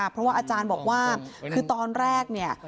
เพราะว่าอาจารย์บอกว่าคือตอนแรกเนี่ย